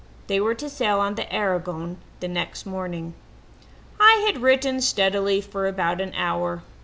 They were to sail on the Aragon the next morning. "I had written steadily for about an hour.